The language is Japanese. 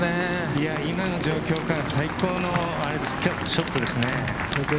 今の状況から最高のショットですね。